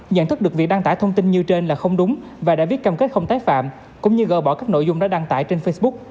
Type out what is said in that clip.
nhận thức được việc đăng tải thông tin như trên là không đúng và đã viết cam kết không tái phạm cũng như gờ bỏ các nội dung đã đăng tải trên facebook